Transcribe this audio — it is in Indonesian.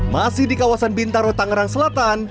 masih di kawasan bintaro tangerang selatan